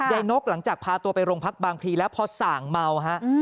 นกหลังจากพาตัวไปโรงพักบางพลีแล้วพอส่างเมาฮะ